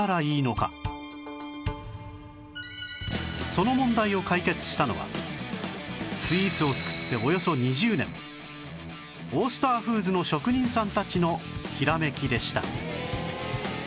その問題を解決したのはスイーツを作っておよそ２０年オースターフーズの職人さんたちのひらめきでした